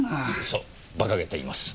そう馬鹿げています。